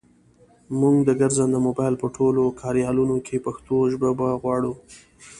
مونږ د ګرځنده مبایل په ټولو کاریالونو کې پښتو ژبه غواړو.